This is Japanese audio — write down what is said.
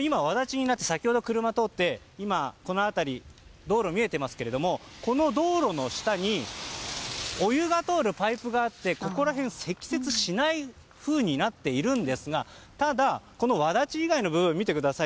今、わだちになって先ほど車が通って今、この辺り道路が見えていますがこの道路の下にお湯が通るパイプがあってここら辺、積雪しないふうになっているんですがただ、わだち以外の部分見てください。